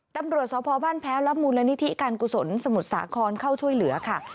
ตำรวจสพบ้านแพ้วและมูลนิธิการกุศลสมุทรสาครเข้าช่วยเหลือค่ะ